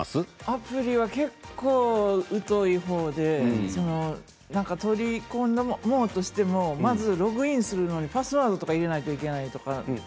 アプリは結構うとい方で取り込もうとしようとしてもログインするのにパスワードとか入れないといけない。